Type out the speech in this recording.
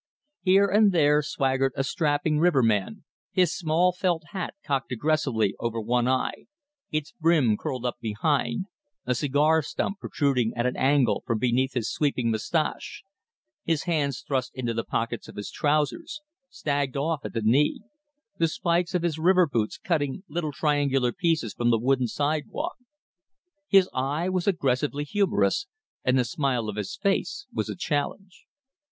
Here and there swaggered a strapping riverman, his small felt hat cocked aggressively over one eye, its brim curled up behind; a cigar stump protruding at an angle from beneath his sweeping moustache; his hands thrust into the pockets of his trousers, "stagged" off at the knee; the spikes of his river boots cutting little triangular pieces from the wooden sidewalk. His eye was aggressively humorous, and the smile of his face was a challenge.